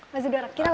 masih dua orang